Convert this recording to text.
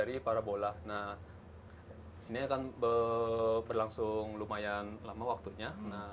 ini akan berlangsung lumayan lama waktunya